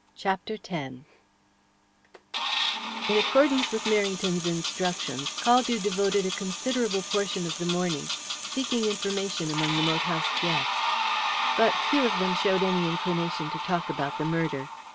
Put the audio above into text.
CHAPTER X In accordance with Merrington's instructions, Caldew devoted a considerable portion of the morning seeking information among the moat house guests. But few of them showed any inclination to talk about the murder.